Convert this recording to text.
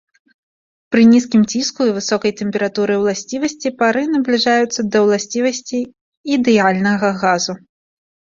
Пры нізкім ціску і высокай тэмпературы ўласцівасці пары набліжаюцца да ўласцівасцей ідэальнага газу.